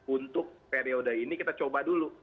untuk periode ini kita coba dulu